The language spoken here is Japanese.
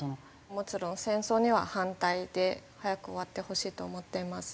もちろん戦争には反対で早く終わってほしいと思っています。